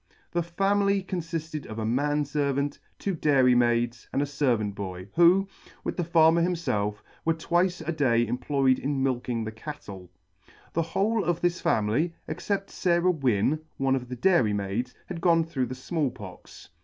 The family confifted of a man fervant, two dairymaids, and a fervant boy, who, with the Farmer himfelf, were twice a day employed in milking the cattle. C 16 ] cattle. The whole of this family, except Sarah Wynne, one of the dairymaids, had gone through the Small Pox.